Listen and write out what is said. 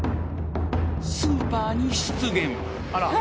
［スーパーに出現］